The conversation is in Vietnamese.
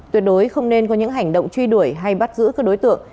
tuyệt đối không nên có những hành động truy đuổi hay bắt giữ các đối tượng